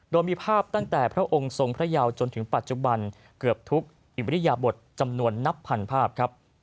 โดยมีภาพตั้งแต่พระองค์ทรงพระยาวจนถึงปัจจุบันเกือบทุกอิริยบทจำนวนนับพันภาพครับ